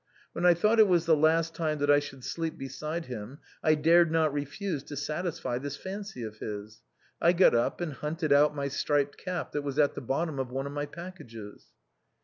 When I thought it was the last time that I should sleep beside him I dared not refuse to satisfy this fancy of his. I got up and hunted out my striped cap that was at the bottom of one of my packages.